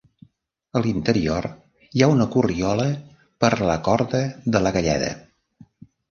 A l'interior hi ha una corriola per la corda de la galleda.